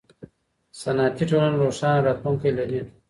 صنعتي ټولنې روښانه راتلونکی لري.